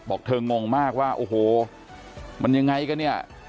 บอกเธองงมากว่าโอ้โหมันยังไงกันเนี่ย